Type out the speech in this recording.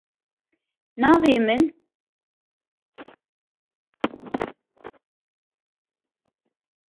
Navê min Mercan e.